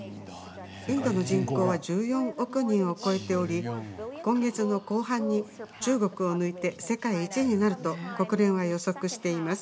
インドの人口は１４億人を超えており今月の後半に中国を抜いて世界一になると国連は予測しています。